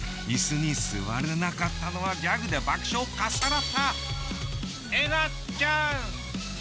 イスに座れなかったのはギャグで爆笑をかっさらった稲ちゃん。